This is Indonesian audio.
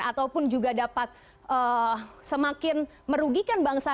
ataupun juga dapat semakin merugikan bangsa